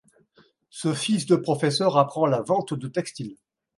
Ce fils d'un professeur apprend la vente de textile.